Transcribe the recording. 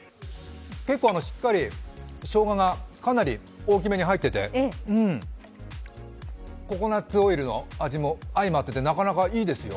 結構しっかり、しょうがが、かなり大きめに入っててココナッツオイルの味も相まって手なかなかいいですよ。